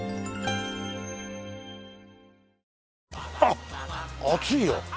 あっ熱いよ。